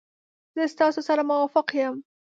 زه ستاسو سره موافق یم.